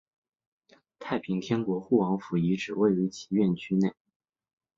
太平天国护王府遗址位于其院区内。